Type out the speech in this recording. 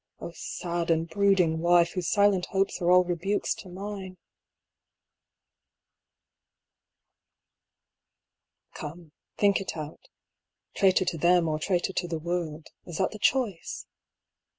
Oh sad and brooding wife whose silent hopes are all rebukes to mine ! 122 AN INVENTOR. Come, think it out; traitor to them or traitor to the world ; is that the choice